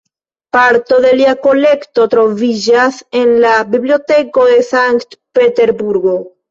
Parto de lia kolekto troviĝas en la Biblioteko de Sankt-Peterburgo.